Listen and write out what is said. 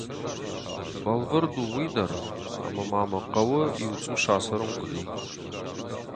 Бӕлвырд у уый дӕр, ӕмӕ ма мӕ хъӕуы иу цъус ацӕрын хъуыди.